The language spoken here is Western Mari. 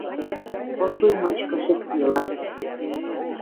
Пылвуй мычкы шӹцделат.